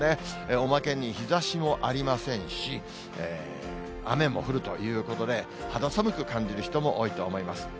おまけに日ざしもありませんし、雨も降るということで、肌寒く感じる人も多いと思います。